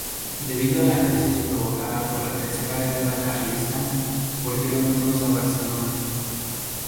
Debido a la crisis provocada por la Tercera Guerra Carlista, volvieron todos a Barcelona.